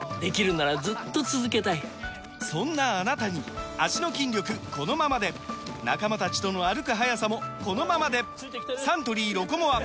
そんなあなたに脚の筋力このままで仲間たちとの歩く速さもこのままでサントリー「ロコモア」！